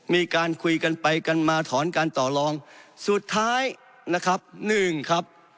มีการคุยกันไปกันมาถอนการต่อรองสุดท้ายนะครับหนึ่งครับ